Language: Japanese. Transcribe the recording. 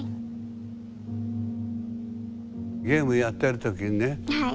ゲームやってる時にね